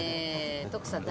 徳さん